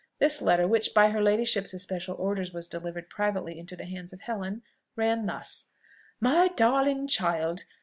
This letter, which by her ladyship's especial orders was delivered privately into the hands of Helen, ran thus: "My darling Child!